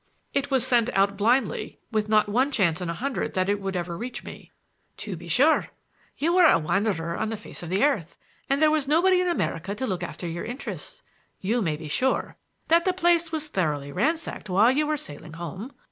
"It was sent out blindly, with not one chance in a hundred that it would ever reach me." "To be sure. You were a wanderer on the face of the earth, and there was nobody in America to look after your interests. You may be sure that the place was thoroughly ransacked while you were sailing home.